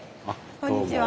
こんにちは。